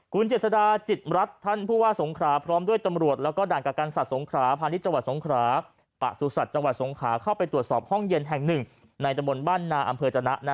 คุณเจษฎาจิตรัฐท่านผู้ว่าสงขราพร้อมด้วยตำรวจแล้วก็ด่านกับการสัตว์สงขราพาณิชย์จังหวัดสงขราปะสุสัตว์จังหวัดสงขาเข้าไปตรวจสอบห้องเย็นแห่งหนึ่งในตะบนบ้านนาอำเภอจนะ